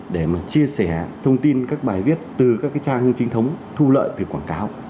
để chia sẻ thông tin các bài viết từ các trang hình chính thống thu lợi từ quảng cáo